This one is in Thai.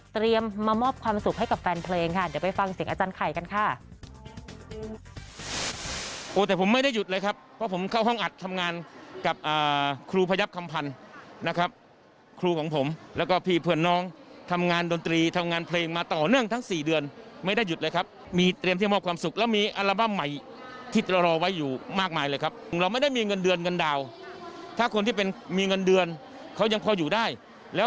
มามอบความสุขให้กับแฟนเพลงค่ะเดี๋ยวไปฟังเสียงอาจารย์ไข่กันค่ะ